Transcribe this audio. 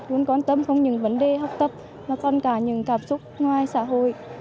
luôn quan tâm không những vấn đề học tập mà còn cả những cảm xúc ngoài xã hội